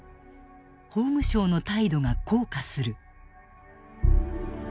法務省の態度が硬化する。